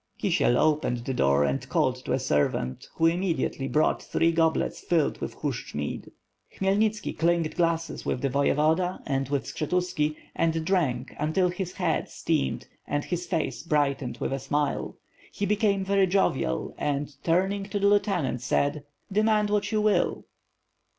Kisiel opened the door and called to a servant, who im mediately brought three goblets filled with Hushch mead. Khmyelnitski clinked glasses with the Voyevoda and with Skshetuski and drank until his head steamed and his face brightened with a smile. He became very jovial and, turning to the lieutenant, said: "Demand what you will?"